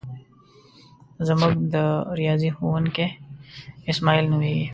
زمونږ د ریاضی ښوونکی اسماعیل نومیږي.